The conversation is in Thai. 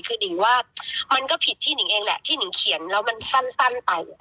คือนิ่งว่ามันก็ผิดที่หิงเองแหละที่หิงเขียนแล้วมันสั้นไป